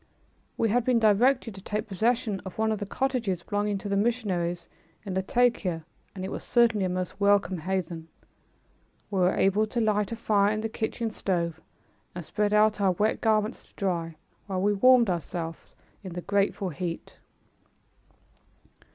We had been directed to take possession of one of the cottages belonging to the missionaries in Latakia, and it was certainly a most welcome haven. We were able to light a fire in the kitchen stove and spread out our wet garments to dry, while we warmed ourselves in the grateful heat.